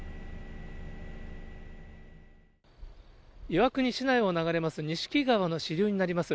岩国市内を流れます、錦川の支流になります。